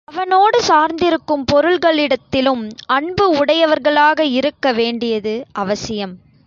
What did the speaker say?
அவனோடு சார்ந்திருக்கும் பொருள்களிடத்திலும் அன்பு உடையவர்களாக இருக்க வேண்டியது அவசியம்.